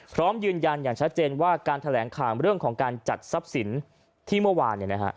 พร้อมยืนยันอย่างชัดเจนว่าการแถลงข่าวเรื่องของการจัดทรัพย์สินที่เมื่อวาน